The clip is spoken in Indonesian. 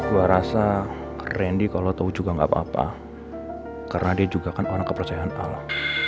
gua rasa randy kalo tau juga gak apa apa karena dia juga kan orang kepercayaan allah